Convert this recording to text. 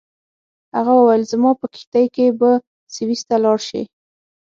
هغه وویل زما په کښتۍ کې به سویس ته لاړ شې.